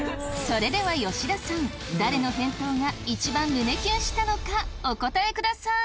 それでは吉田さん誰の返答がいちばん胸キュンしたのかお答えください。